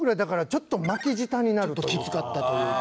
ちょっときつかったというか。